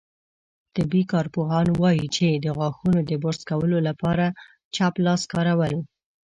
طبي کارپوهان وايي، چې د غاښونو د برس کولو لپاره چپ لاس کارول